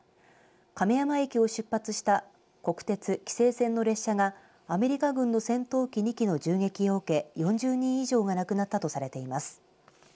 亀山駅を出発した国鉄紀勢線の列車がアメリカ軍の戦闘機２機の銃撃を受け４０人以上が亡くなったとされています。